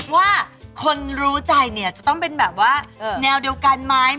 ว่าคนรู้ใจเนี่ยจะต้องเป็นแบบว่าแนวเดียวกันไหม